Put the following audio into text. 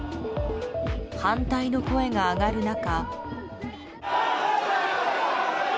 反対の声が上がる中。